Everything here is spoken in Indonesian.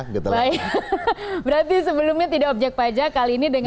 berarti sebelumnya tidak objek pajak kali ini